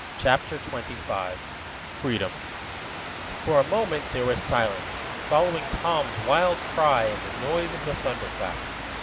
CHAPTER XXV FREEDOM For a moment there was silence, following Tom's wild cry and the noise of the thunderclap.